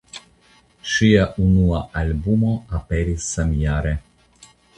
Ŝia unua albumo aperis samjare.